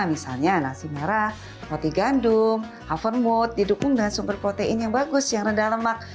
misalnya nasi merah roti gandum hovermooth didukung dengan sumber protein yang bagus yang rendah lemak